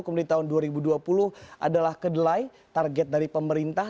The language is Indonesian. kemudian tahun dua ribu dua puluh adalah kedelai target dari pemerintah